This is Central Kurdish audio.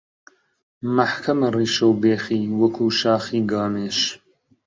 مەحکەمە ڕیشە و بێخی وەکوو شاخی گامێش